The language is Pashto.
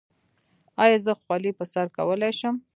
ایا زه خولۍ په سر کولی شم؟